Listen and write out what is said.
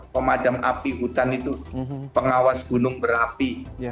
pemadam api hutan itu pengawas gunung berapi